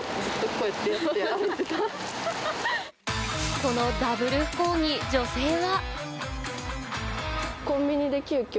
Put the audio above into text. このダブル不幸に女性は。